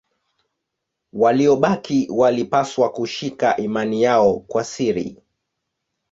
Waliobaki walipaswa kushika imani yao kwa siri.